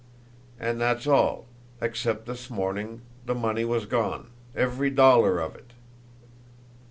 And that's all, except this morning the money was gone every dollar of it."